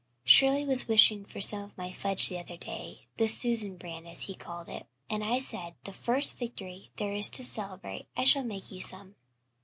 Shirley was wishing for some of my fudge the other day the Susan brand, as he called it and I said 'The first victory there is to celebrate I shall make you some.'